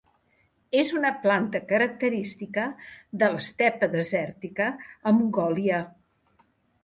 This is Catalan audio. És una planta característica de l'estepa desèrtica a Mongòlia.